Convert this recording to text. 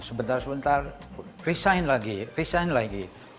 sebentar sebentar resign lagi resign lagi